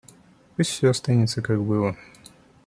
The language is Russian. Пусть все останется, как было.